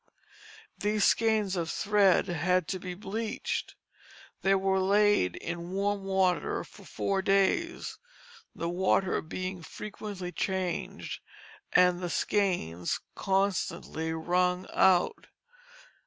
These skeins of thread had to be bleached. They were laid in warm water for four days, the water being frequently changed, and the skeins constantly wrung out.